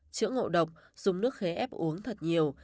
chữa ngộ độc dùng nước khế ép uống thật nhiều